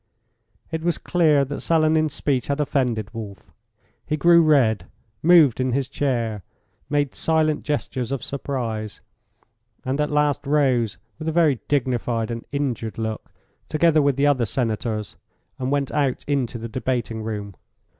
It was clear that Selenin's speech had offended Wolf. He grew red, moved in his chair, made silent gestures of surprise, and at last rose, with a very dignified and injured look, together with the other senators, and went out into the debating room.